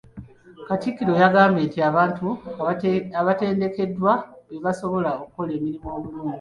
Katikkiro yagambye nti abantu abatendekeddwa be basobola okukola emirimu obulungi.